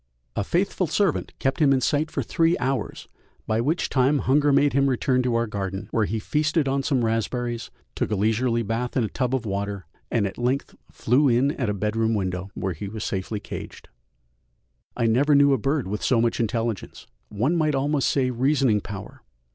A faithful servant kept him in sight for three hours, by which time hunger made him return to our garden, where he feasted on some raspberries, took a leisurely bath in a tub of water, and at length flew in at a bedroom window, where he was safely caged. I never knew a bird with so much intelligence, one might almost say reasoning power.